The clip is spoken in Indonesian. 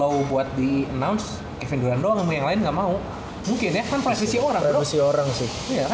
itu kan prosesi orang sih